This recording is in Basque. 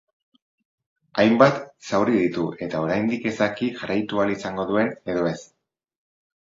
Hainbat zauri ditu eta oraindik ez daki jarraitu ahal izango duen edo ez.